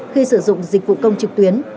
khi sử dụng dịch vụ công trực tuyến